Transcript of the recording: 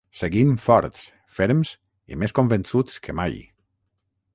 Seguim forts, ferms i més convençuts que mai.